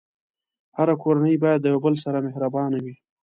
هره کورنۍ باید د یو بل سره مهربانه وي.